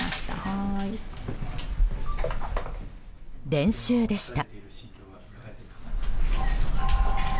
練習でした。